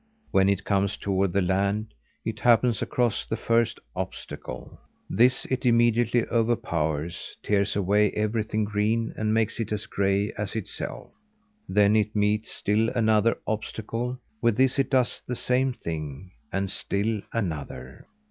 When it comes toward the land, it happens across the first obstacle. This it immediately overpowers; tears away everything green, and makes it as gray as itself. Then it meets still another obstacle. With this it does the same thing. And still another.